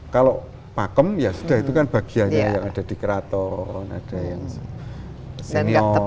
kalau pakem ya sudah itu kan bagiannya yang ada di keraton ada yang senior